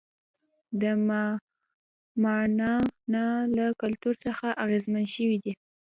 د ماڼانا له کلتور څخه اغېزمن شوي دي.